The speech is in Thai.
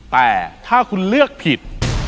แต่ถ้าคุณเลือกผิด